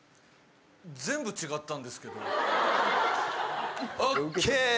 全部違ったんですけど。